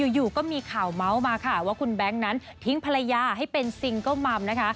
อยู่ก็มีข่าวเมาส์มาค่ะว่าคุณแบงค์นั้นทิ้งภรรยาให้เป็นซิงเกิลมัมนะคะ